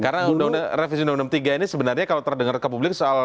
karena revisi undang undang tiga ini sebenarnya kalau terdengar ke publik soal